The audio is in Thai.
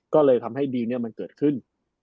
ก็เลยทำให้ดีเนี่ยมันเกิดขึ้น